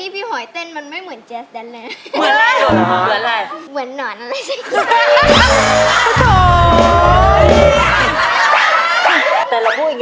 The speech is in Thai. พอได้อยู่